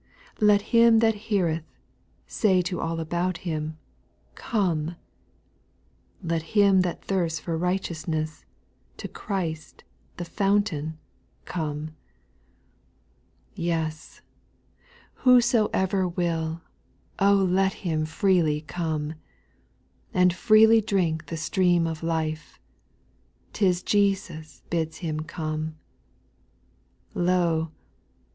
Let him that heareth, say To all about him. Come 1 Let him that thirsts for righteousness, To (/hrist, the fountain, Come I SPIRITUAL SONGS. 69 3. Yes ! whosoever will, O let him freely Come, And freely drink the stream of life ; *T is Jesus bids him Come. 4. Lo